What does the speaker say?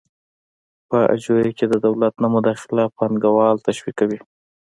په اجورې کې د دولت نه مداخله پانګوال تشویقوي.